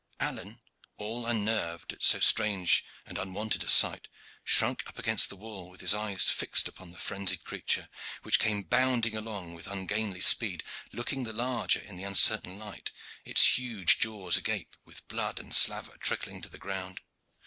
Alleyne, all unnerved at so strange and unwonted a sight, shrunk up against the wall with his eyes fixed upon the frenzied creature, which came bounding along with ungainly speed, looking the larger in the uncertain light, its huge jaws agape, with blood and slaver trickling to the ground.